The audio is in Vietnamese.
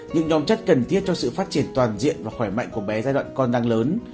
những nhóm chất cần thiết cho sự phát triển toàn diện và khỏe mạnh của bé giai đoạn con đang lớn